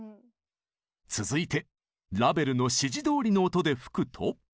続いてラヴェルの指示どおりの音で吹くと。